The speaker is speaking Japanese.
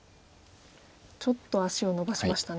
ちょっと足をのばしましたね。